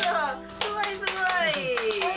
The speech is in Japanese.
すごいすごい！